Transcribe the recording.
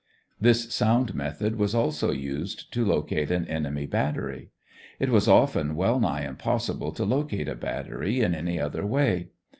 This sound method was also used to locate an enemy battery. It was often well nigh impossible to locate a battery in any other way.